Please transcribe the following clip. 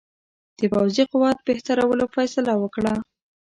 د پوځي قوت بهترولو فیصله وکړه.